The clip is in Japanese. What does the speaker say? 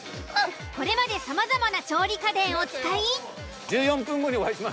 これまでさまざまな調理家電を使い。